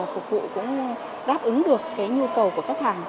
phục vụ cũng đáp ứng được cái nhu cầu của khách hàng